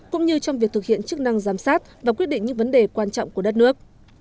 cũng như trong việc thực hiện chức năng giám sát và quyết định những vấn đề quan trọng của đất nước